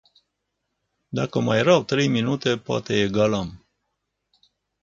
Dacă mai erau trei minute poate egalam.